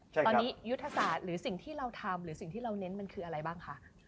ตอนนี้ยุทธศาสตร์หรือสิ่งที่เราทำหรือสิ่งที่เราเน้นมันคืออะไรบ้างคะ